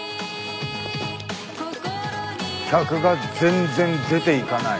客が全然出ていかない。